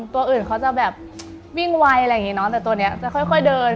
ตัวอื่นเขาจะแบบวิ่งไวแต่ตัวนี้จะค่อยเดิน